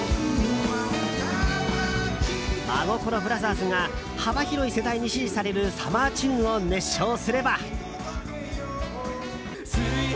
真心ブラザーズが幅広い世代に支持されるサマーチューンを熱唱すれば。